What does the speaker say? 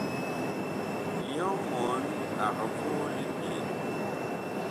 Nyɔ mɔɔn ag voo libyee.